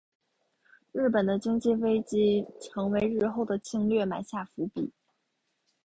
日本的经济危机成为日后的侵略埋下伏笔。